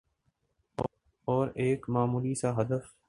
اور ایک معمولی سا ہدف